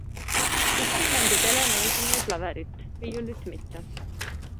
Üksi mängib Ele meelsamini klaverit, viiulit mitte.